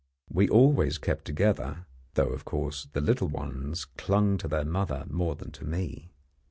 We always kept together, though, of course, the little ones clung to their mother more than to me.